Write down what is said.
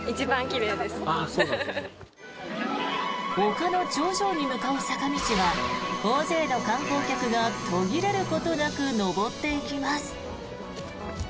丘の頂上に向かう坂道は大勢の観光客が途切れることなく登っていきます。